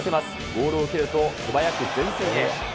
ボールを受けると素早く前線へ。